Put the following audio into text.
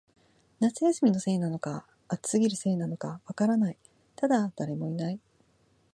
夏休みのせいなのか、暑すぎるせいなのか、わからない、ただ、誰もいない